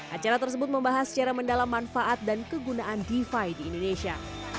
acara tersebut membahas secara mendalam manfaat dan kegunaan defi di indonesia